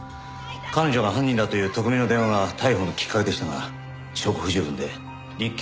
彼女が犯人だという匿名の電話が逮捕のきっかけでしたが証拠不十分で立件はされていません。